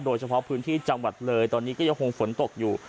โดยเฉพาะพื้นที่จังหวัดเลยตอนนี้ก็ยังคงฝนตกอยู่